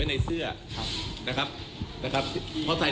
ที่สนชนะสงครามเปิดเพิ่ม